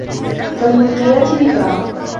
فَالمُلقِياتِ ذِكرًا